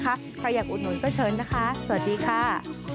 ใครอยากอุดหนุนก็เชิญนะคะสวัสดีค่ะ